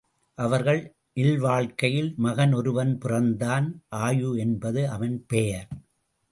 அவர்கள் இல்வாழ்க்கையில் மகன் ஒருவன் பிறந்தான் ஆயு என்பது அவன் பெயர்.